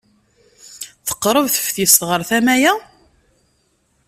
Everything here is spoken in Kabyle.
Teqreb teftist ɣer tama-a?